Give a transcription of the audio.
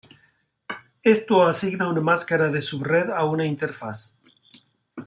Esto asigna una máscara de subred a una interfaz.